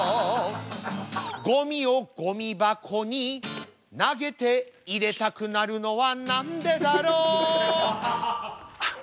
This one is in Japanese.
ごみをごみ箱に投げて入れたくなるのはなんでだろうあっ。